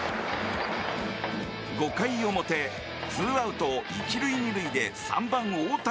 ５回表、２アウト１塁２塁で３番、大谷。